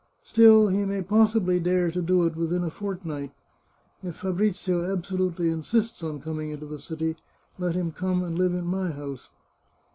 Still, he may possibly dare to do it within a fortnight. If Fabrizio absolutely insists on coming into the city, let him come and live in my house."